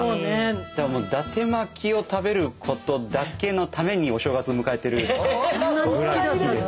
だからだて巻きを食べることだけのためにお正月を迎えてるぐらい好きです。